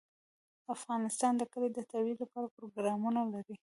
افغانستان د کلي د ترویج لپاره پروګرامونه لري.